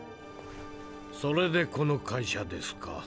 それでこの会社ですか。